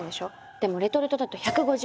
でもレトルトだと１５０円。